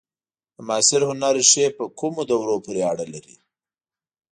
د معاصر هنر ریښې په کومو دورو پورې اړه لري؟